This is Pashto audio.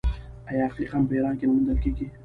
آیا عقیق هم په ایران کې نه موندل کیږي؟